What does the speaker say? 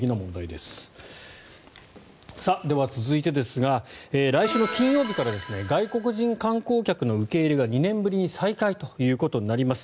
では、続いてですが来週の金曜日から外国人観光客の受け入れが２年ぶりに再開となります。